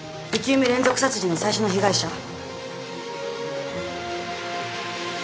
生き埋め連続殺人の最初の被害者。